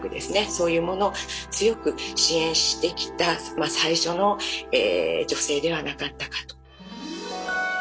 そういうものを強く支援してきた最初の女性ではなかったかと。